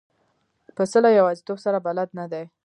پسه له یوازیتوب سره بلد نه دی.